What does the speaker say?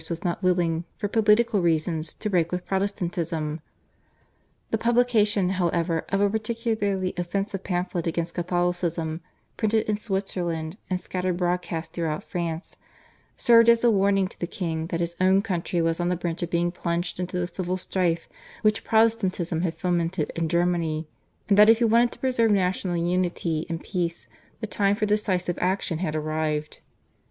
was not willing, for political reasons, to break with Protestantism. The publication, however, of a particularly offensive pamphlet against Catholicism, printed in Switzerland and scattered broadcast throughout France, served as a warning to the king that his own country was on the brink of being plunged into the civil strife which Protestantism had fomented in Germany, and that if he wanted to preserve national unity and peace the time for decisive action had arrived.